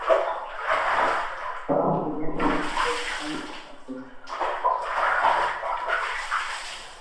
قران د ګڼو مذهبي احکامو کتاب دی.